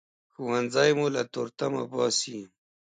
ښوونځی مو له تورتمه باسي